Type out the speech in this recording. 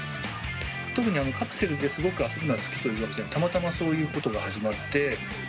特にカプセルですごく遊ぶのが好きというわけじゃなく、たまたまそういうことが始まって。